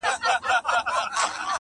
عزیز دي راسي د خپلوانو شنه باغونه سوځي-